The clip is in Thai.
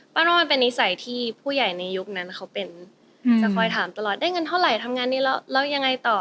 โน่มันเป็นนิสัยที่ผู้ใหญ่ในยุคนั้นเขาเป็นจะคอยถามตลอดได้เงินเท่าไหร่ทำงานนี้แล้วยังไงต่อ